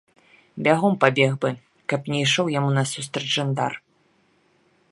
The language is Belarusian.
Бягом пабег бы, каб не ішоў яму насустрач жандар.